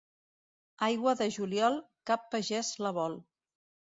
Aigua de juliol, cap pagès la vol.